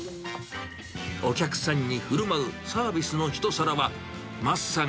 お客さんにふるまうサービスの一皿は、マスさん